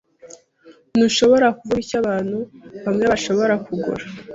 Ntushobora kuvuga icyo abantu bamwe bashobora kugura.